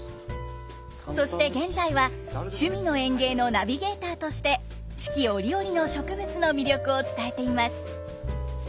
そして現在は「趣味の園芸」のナビゲーターとして四季折々の植物の魅力を伝えています。